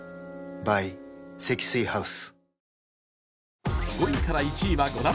ｂｙ 積水ハウス